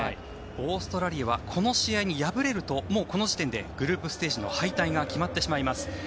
オーストラリアはこの試合に敗れるともうこの時点でグループステージの敗退が決まってしまいます。